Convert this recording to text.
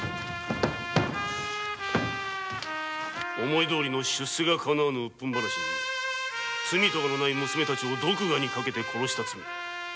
思いどおりの出世がかなわぬうっぷん晴らしに罪とがもない娘たちを毒牙にかけ殺した罪。